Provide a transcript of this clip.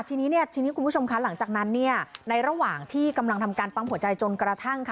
ทีนี้เนี่ยทีนี้คุณผู้ชมคะหลังจากนั้นเนี่ยในระหว่างที่กำลังทำการปั๊มหัวใจจนกระทั่งค่ะ